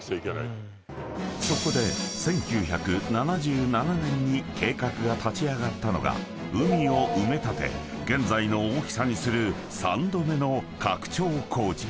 ［そこで１９７７年に計画が立ち上がったのが海を埋め立て現在の大きさにする３度目の拡張工事］